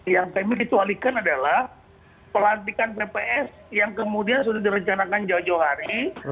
yang kami ditualikan adalah pelantikan pps yang kemudian sudah direncanakan jawa johari